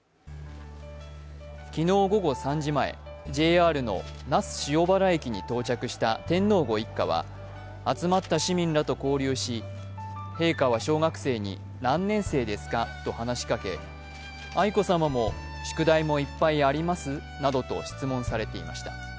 昨日午後３時前、ＪＲの那須塩原駅に到着した天皇ご一家は集まった市民らと交流し陛下は小学生に何年生ですかと話しかけ、愛子さまも宿題もいっぱいあります？などと質問されていました。